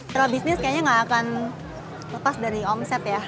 kalau bisnis kayaknya nggak akan lepas dari omset ya